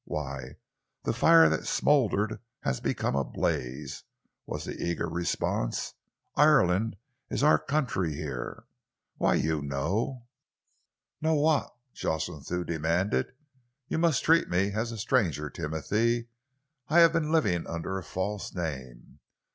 Why, the fire that smouldered has become a blaze," was the eager response. "Ireland is our country here. Why you know?" "Know what?" Jocelyn Thew demanded. "You must treat me as a stranger, Timothy, I have been living under a false name.